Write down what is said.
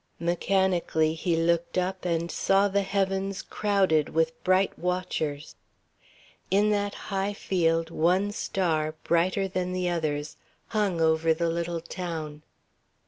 Mechanically he looked up and saw the heavens crowded with bright watchers. In that high field one star, brighter than the others, hung over the little town.